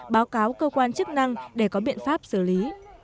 báo cáo cơ quan chức năng để có biện pháp xử lý